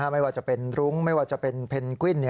ไม่ว่าจะเป็นรุ้งไม่ว่าจะเป็นเพนกวิ้น